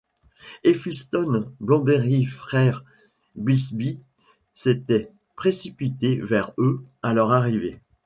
Elphiston, Blomsberry frère, Bilsby, s’étaient précipités vers eux à leur arrivée.